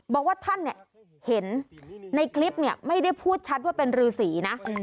บอกว่าท่านเห็นในคลิปไม่ได้พูดชัดว่าเป็นรือสีนะ